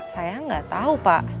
saya gak tau pak